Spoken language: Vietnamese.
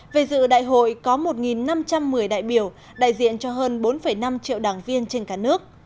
về dự đại hội có một năm trăm một mươi đại biểu đại diện cho hơn bốn năm triệu đảng viên trên cả nước